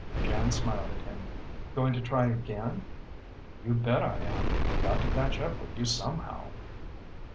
Jan smiled at him. "Going to try again?" "You bet I am. Got to catch up with you somehow."